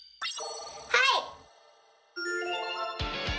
はい！